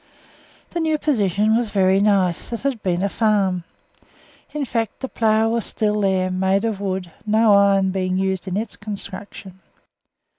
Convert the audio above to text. The new position was very nice; it had been a farm in fact the plough was still there, made of wood, no iron being used in its construction.